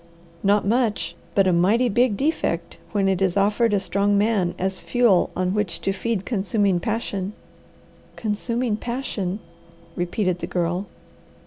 Not much, but a mighty big defect when it is offered a strong man as fuel on which to feed consuming passion." "Consuming passion," repeated the Girl.